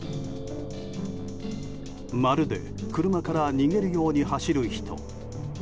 まるで車から逃げるように走る人。